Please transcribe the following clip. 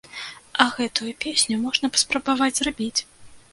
А гэтую песню можна паспрабаваць зрабіць!